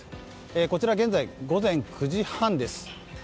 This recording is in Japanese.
こちら現在午前９時半です。